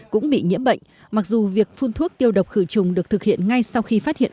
cũng bị nhiễm bệnh mặc dù việc phun thuốc tiêu độc khử trùng được thực hiện ngay sau khi phát hiện